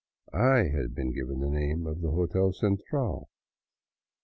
I had been given the name of the " Hotel Central."